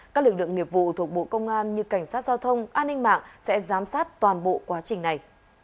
các lực lượng nghiệp vụ thuộc bộ công an như cảnh sát giao thông an ninh mạng sẽ giám sát toàn bộ quá trình này